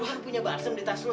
aku punya barsem di tas lo